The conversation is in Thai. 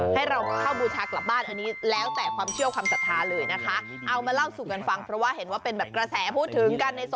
ไปอาบอย่างไรผมก็ไปอาบปกติทั่วไป